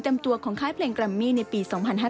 จนต่ำจัวของเพลงกรัมมี่ในปี๒๕๒๗